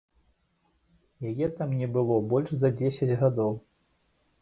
Яе там не было больш за дзесяць гадоў.